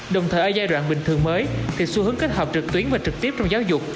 đồng thời ở giai đoạn bình thường mới thì xu hướng kết hợp trực tuyến và trực tiếp trong giáo dục